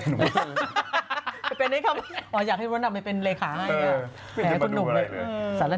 ภายในคำว่าอยากให้บดนำไปเป็นเรคาหาก็